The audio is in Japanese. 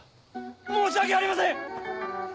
申し訳ありません！